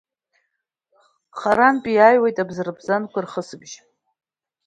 Харантәи иааҩуеит абзарбзанқәа рхысбжьы.